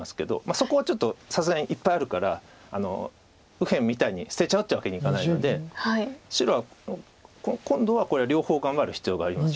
そこはちょっとさすがにいっぱいあるから右辺みたいに捨てちゃうってわけにいかないので白は今度はこれは両方考える必要があります。